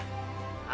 あ